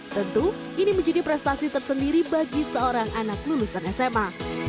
tentu ini menjadi prestasi tersendiri bagi seorang anak lulusan sma